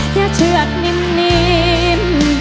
อย่าเฉือกนิม